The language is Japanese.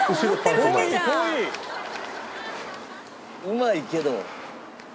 うまいけど。